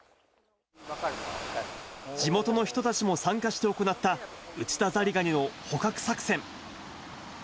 地元の人たちも参加して行った、ウチダザリガニの捕獲作戦。